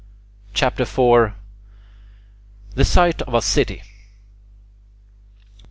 CHAPTER IV THE SITE OF A CITY 1.